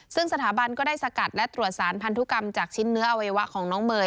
ซึ่งสถาบันก็ได้สกัดและตรวจสารพันธุกรรมจากชิ้นเนื้ออวัยวะของน้องเมย์